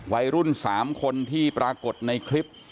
วัยรุ่น๓คนที่ปรากฏในคลิป